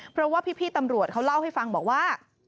เพราะว่าพี่ตำรวจเขาเล่าให้ฟังบอกว่า